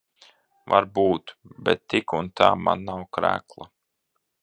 Varbūt. Bet tik un tā man nav krekla.